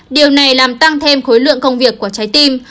điều này làm tăng thêm khối lượng công việc của trái tim